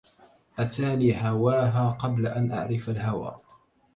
أتاني هواها قبل أن أعرف الهوى